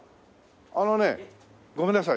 あのねごめんなさい。